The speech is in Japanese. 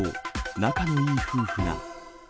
仲のいい夫婦が。